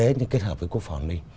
tất nhiên kết hợp với quốc phòng đi